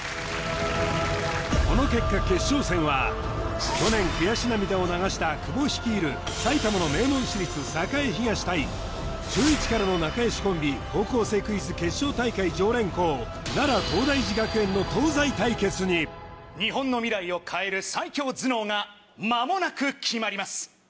この結果決勝戦は去年悔し涙を流した久保率いる対中１からの仲良しコンビ『高校生クイズ』決勝大会常連校奈良東大寺学園の東西対決に日本の未来を変える最強頭脳が間もなく決まります。